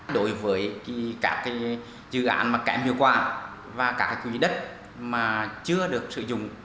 đối với các dự án kẻ mưu quả và các nhà đầu tư chưa được sử dụng